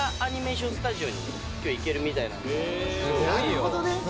なるほどね。